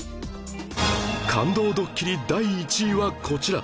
感動ドッキリ第１位はこちら